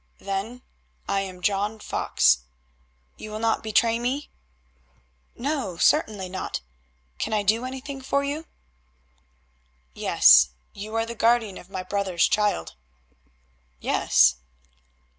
"Then I am John Fox. You will not betray me?" "No; certainly not. Can I do anything for you?" "Yes; you are the guardian of my brother's child." "Yes."